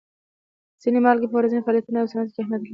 ځینې مالګې په ورځیني فعالیتونو او صنعت کې اهمیت لري.